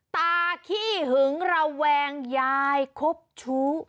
ขี้หึงระแวงยายคบชู้